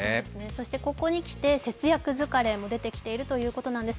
そしてここにきて節約疲れも出てきているということです。